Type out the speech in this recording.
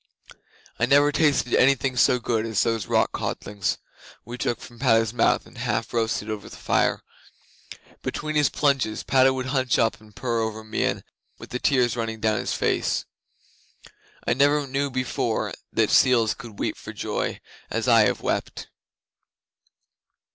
'I never tasted anything so good as those rock codlings we took from Padda's mouth and half roasted over the fire. Between his plunges Padda would hunch up and purr over Meon with the tears running down his face. I never knew before that seals could weep for joy as I have wept.